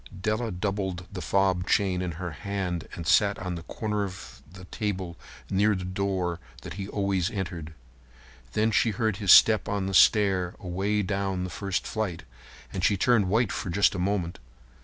Della doubled the fob chain in her hand and sat on the corner of the table near the door that he always entered. Then she heard his step on the stair away down on the first flight, and she turned white for just a moment.